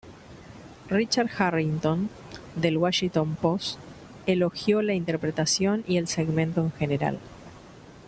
Richard Harrington, del "Washington Post", elogió la interpretación y el segmento en general.